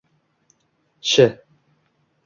Sh